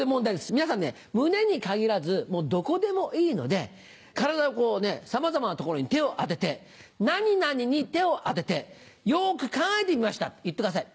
皆さんね胸に限らずどこでもいいので体のさまざまな所に手を当てて「何々に手を当ててよく考えてみました」って言ってください。